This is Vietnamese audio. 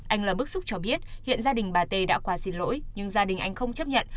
anh lơ bức xúc cho biết hiện gia đình bà tê đã qua xin lỗi nhưng gia đình anh không chấp nhận